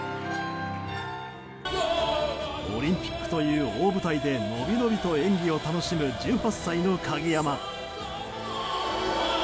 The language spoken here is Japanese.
オリンピックという大舞台で伸び伸びと演技を楽しむ１８歳の鍵山。